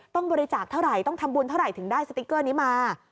ต้องบริจาคเท่าไหร่ต้องทำบุญเท่าไหร่ถึงได้สติ๊กเกอร์นี้มา